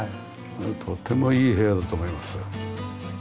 とってもいい部屋だと思います。